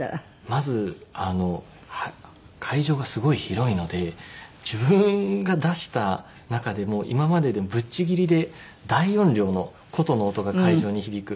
まず会場がすごい広いので自分が出した中でも今まででぶっちぎりで大音量の箏の音が会場に響く。